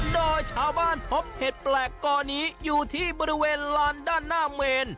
โดยชาวบ้านพบเห็ดแปลกกอนี้อยู่ที่บริเวณลานด้านหน้าเมน